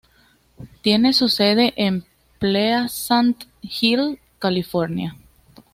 Tiene su sede en Pleasant Hill, California.